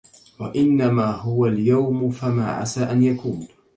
وَإِنَّمَا هُوَ الْيَوْمُ فَمَا عَسَى أَنْ يَكُونَ